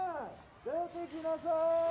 出てきなさーい！